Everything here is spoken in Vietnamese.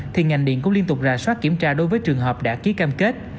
thì ngành điện cũng liên tục ra soát kiểm tra đối với trường hợp đã ký cam kết